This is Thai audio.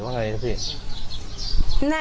น่าจะใหม่เนอะ